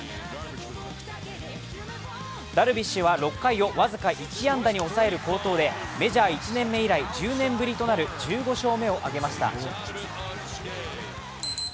ダルビッシュは６回を僅か１安打に抑える好投でメジャー１年目以来１０年ぶりとなる１５勝目を挙げました。